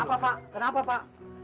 kenapa pak kenapa pak